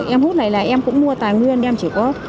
em hút này là em cũng mua tài nguyên em chỉ có